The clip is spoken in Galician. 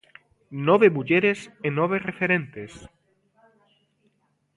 Nove mulleres e nove referentes.